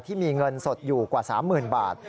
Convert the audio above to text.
ที่มีเงินสดอยู่กว่า๓๐๐๐บาท